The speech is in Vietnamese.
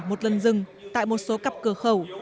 một lần rừng tại một số cặp cửa khẩu